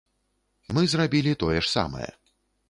Мы зрабілі тое ж самае.